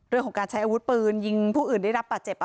เรื่องของการใช้อาวุธปืนยิงผู้อื่นได้รับบาดเจ็บ